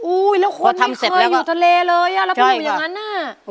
อุ๊ยแล้วคนไม่เคยอยู่ทะเลเลยอ่ะแล้วพวกมันอย่างนั้นน่ะพอทำเสร็จแล้วก็ใช่ค่ะ